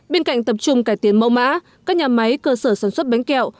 bên cạnh tập trung cải tiến mẫu mã các nhà máy cơ sở sản xuất bánh kẹo